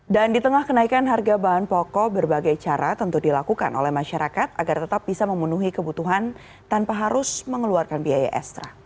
dan di tengah kenaikan harga bahan pokok berbagai cara tentu dilakukan oleh masyarakat agar tetap bisa memenuhi kebutuhan tanpa harus mengeluarkan biaya extra